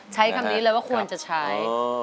ใช้คำนี้เลยว่าควรจะใช้